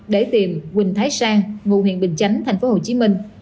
điện thoại của cường là huyện thái sang vụ huyện bình chánh thành phố hồ chí minh